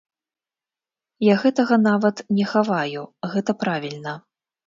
Я гэтага нават не хаваю, гэта правільна.